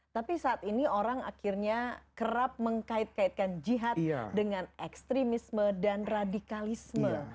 tapi saat ini orang akhirnya kerap mengkait kaitkan jihad dengan ekstremisme dan radikalisme